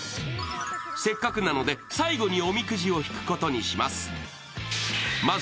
せっかくなので、最後におみくじを引くことにします。